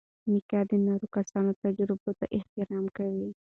میکا د نورو کسانو تجربو ته احترام کوي.